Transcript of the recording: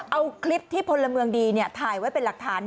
เอาคลิปที่พลเมืองดีถ่ายไว้เป็นหลักฐาน